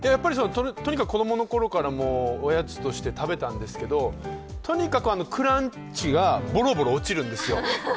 とにかく子供のころからおやつとして食べたんですけどとにかくクランチがぼろぼろ落ちるんですよ。